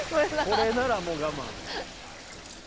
これならもう我慢。